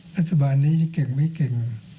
รัฐบาลนี้จะเก่งไม่เก่ง